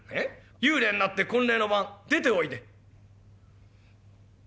幽霊んなって婚礼の晩出ておいで」。